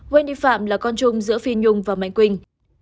wendy phạm là con chung giữa phi nhung và mạnh quỳnh